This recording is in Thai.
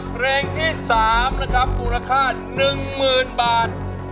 เพลงที่๓นะครับมูลค่า๑๐๐๐บาท